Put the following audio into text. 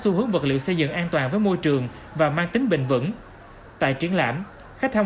xu hướng vật liệu xây dựng an toàn với môi trường và mang tính bình vẩn tại triển lãm khách tham